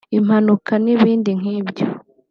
impanuka n’ibindi nk’ibyo